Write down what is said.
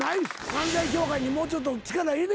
漫才協会にもうちょっと力入れてくれ。